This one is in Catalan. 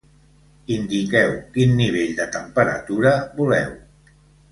Indiqueu quin nivell de temperatura voleu.